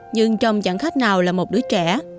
nhưng chồng chẳng khác nào là một đứa trẻ